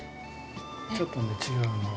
ちょっとね違うのを。